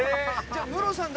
じゃあ。